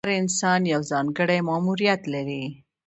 هر انسان یو ځانګړی ماموریت لري.